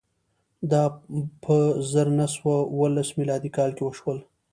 دا په زر نه سوه اوولس میلادي کال کې وشول.